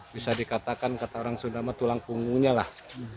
bisa dikatakan kata orang sundama tulang punggungnya lah